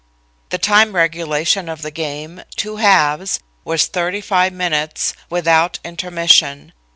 The time regulation of the game, two halves, was thirty five minutes, without intermission.